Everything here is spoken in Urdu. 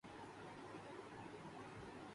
لڑکے والوں کا شادی کے لیےشیم لیس پرپوزل